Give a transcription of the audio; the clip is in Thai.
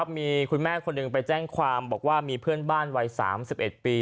มีคุณแม่คนหนึ่งไปแจ้งความบอกว่ามีเพื่อนบ้านวัย๓๑ปี